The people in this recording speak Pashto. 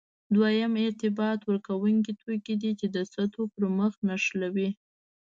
دویم ارتباط ورکوونکي توکي دي چې د سطحو پرمخ نښلوي.